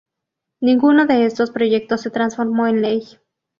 Ninguno de estos proyectos se transformó en ley.